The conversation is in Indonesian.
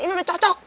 ini udah cocok